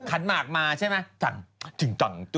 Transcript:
ขัดมากมาใช่ไหม